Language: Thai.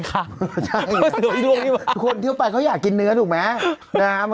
คนทิ้วไปเขาอยากกินเนื้อถูกไหม